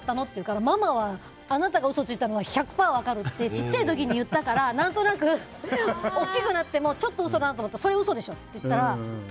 って言ったらママはあなたが嘘ついたのは１００％分かるってちっちゃい時に言ったから何となく、大きくなってもちょっと嘘だなと思ってそれ嘘でしょって言ったら。